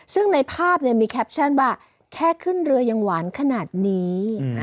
ซึ่งในภาพมีแคปชั่นว่าแค่ขึ้นเรือยังหวานขนาดนี้